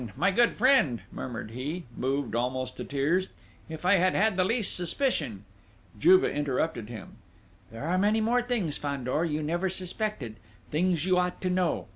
My good friend!" murmured he, moved almost to tears. "If I had had the least suspicion!..." Juve interrupted him. "There are many more things, Fandor, you never suspected, things you ought to know....